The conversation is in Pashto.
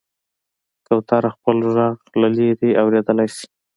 کوتره خپل غږ له لرې اورېدلی شي.